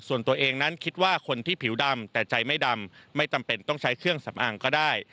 ส่วนตัวเองนั้นคิดว่าคนที่ผิวดำแต่ใจไม่ดำไม่จำเป็นต้องใช้เครื่องสำอางก็ได้